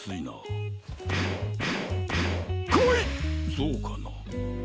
そうかな？